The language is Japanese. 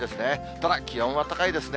ただ気温は高いですね。